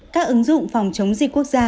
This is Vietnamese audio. các ứng dụng phòng chống dịch quốc gia